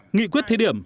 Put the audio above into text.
nghị quyết thế điểm